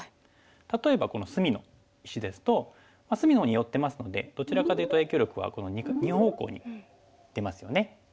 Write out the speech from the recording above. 例えばこの隅の石ですと隅の方に寄ってますのでどちらかというと影響力はこの２方向に出ますよね。